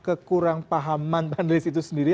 kekurangpahaman panelis itu sendiri